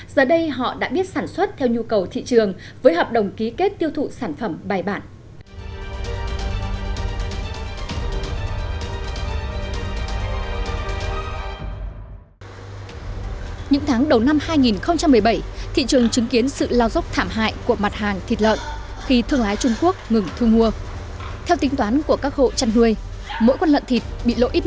giờ đây họ đã biết sản xuất theo nhu cầu thị trường với hợp đồng ký kết tiêu thụ sản phẩm bài bản